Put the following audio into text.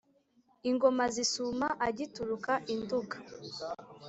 ingoma zisuma agituruka i nduga